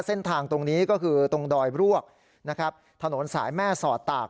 เส้นทางตรงนี้ก็คือตรงดอยรวกนะครับถนนสายแม่สอดตาก